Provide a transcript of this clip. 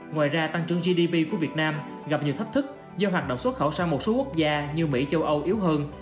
ngoài ra tăng trưởng gdp của việt nam gặp nhiều thách thức do hoạt động xuất khẩu sang một số quốc gia như mỹ châu âu yếu hơn